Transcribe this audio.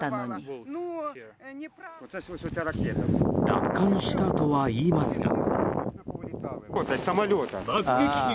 奪還したとはいいますが。